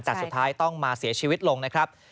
แต่สุดท้ายต้องมาเสียชีวิตลงนะครับ